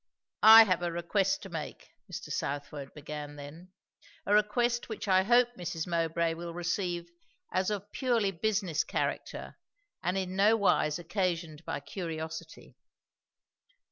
"I have a request to make," Mr. Southwode began then; "a request which I hope Mrs. Mowbray will receive as of purely business character, and in no wise occasioned by curiosity.